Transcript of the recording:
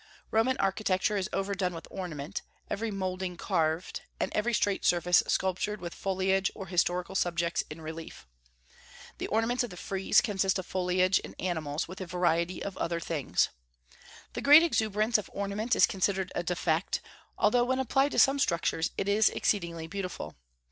Roman architecture is overdone with ornament, every moulding carved, and every straight surface sculptured with foliage or historical subjects in relief. The ornaments of the frieze consist of foliage and animals, with a variety of other things. The great exuberance of ornament is considered a defect, although when applied to some structures it is exceedingly beautiful.